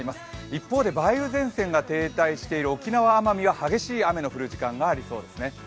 一方で梅雨前線が停滞している沖縄・奄美は激しい雨の降る時間がありそうですね。